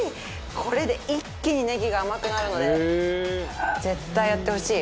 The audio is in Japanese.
これで一気にネギが甘くなるので絶対やってほしい。